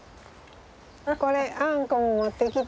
これあんこも持ってきた。